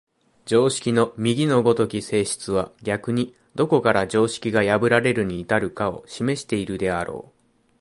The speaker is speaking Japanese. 常識の右の如き性質は逆にどこから常識が破られるに至るかを示しているであろう。